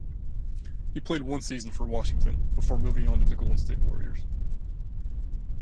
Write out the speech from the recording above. He played one season for Washington before moving on to the Golden State Warriors.